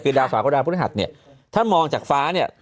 เมื่อไหล่ดาวพุ่นขัดเนี่ยถ้ามองจากฟ้าเนี่ย